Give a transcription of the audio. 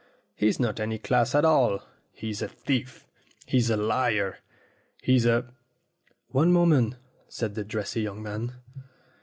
He's not any class at all. He's a thief! He's a liar! He's a " "One moment," said the dressy young man.